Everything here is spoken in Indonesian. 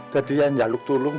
jadi ya nyaluk tolong